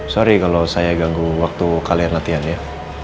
sorry kalau saya ganggu waktu kalian latihan ya